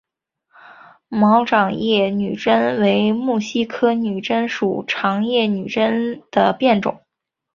毛长叶女贞为木犀科女贞属长叶女贞的变种。